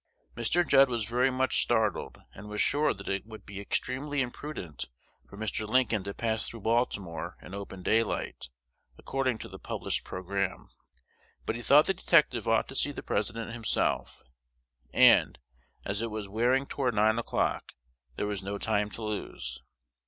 Mr. Judd was very much startled, and was sure that it would be extremely imprudent for Mr. Lincoln to pass through Baltimore in open daylight, according to the published programme. But he thought the detective ought to see the President himself; and, as it was wearing toward nine o'clock, there was no time to lose.